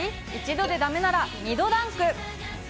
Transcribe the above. １度でだめなら、２度ダンク。